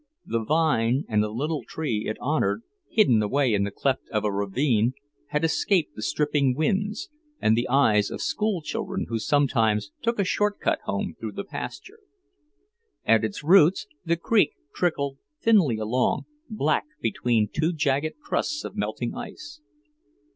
The vine and the little tree it honoured, hidden away in the cleft of a ravine, had escaped the stripping winds, and the eyes of schoolchildren who sometimes took a short cut home through the pasture. At its roots, the creek trickled thinly along, black between two jagged crusts of melting ice.